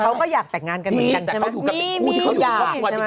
เขาก็อยากแตกงานกันเหมือนกันใช่ไหม